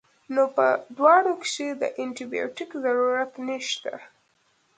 نو پۀ دواړو کښې د انټي بائيوټک ضرورت نشته